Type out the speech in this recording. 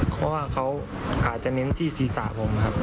เพราะว่าเขาขาจะเน้นที่ศีรษะผมครับ